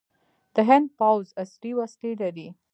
د هند پوځ عصري وسلې لري.